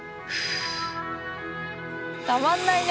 たまんないね。